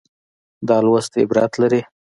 دا لوست عبرت لري.